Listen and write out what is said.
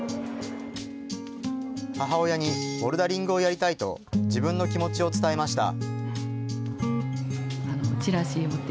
母親にボルダリングをやりたいと自分の気持ちを伝えました。